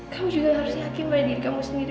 kamu juga harus yakin oleh diri kamu sendiri